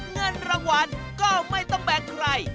เงินรางวัลก็ไม่ต้องแบ่งใคร